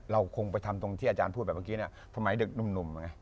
เราคงไปทำตรงที่อาจารย์พูดแบบเมื่อกี้เนี่ยสมัยเด็กหนุ่ม